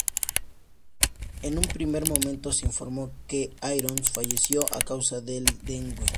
En un primer momento se informó que Irons falleció a causa del dengue.